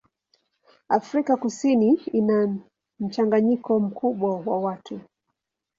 Afrika Kusini ina mchanganyiko mkubwa wa watu.